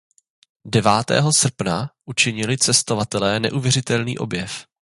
Devátého srpna učinili cestovatelé neuvěřitelný objev.